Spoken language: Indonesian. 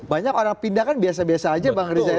banyak orang pindah kan biasa biasa aja bang riza ya